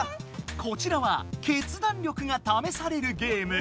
こちらは決断力がためされるゲーム。